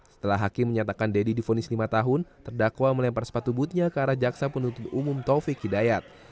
setelah hakim menyatakan deddy difonis lima tahun terdakwa melempar sepatu butnya ke arah jaksa penuntut umum taufik hidayat